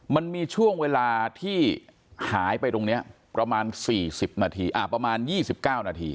มันมีช่วงเวลาที่หายไปตรงนี้ประมาณ๔๐นาทีประมาณ๒๙นาที